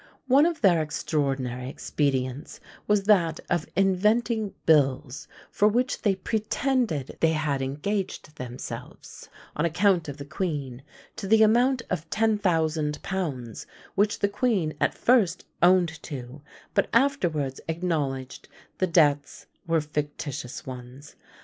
One of their extraordinary expedients was that of inventing bills, for which they pretended they had engaged themselves on account of the queen, to the amount of £10,000, which the queen at first owned to, but afterwards acknowledged the debts were fictitious ones.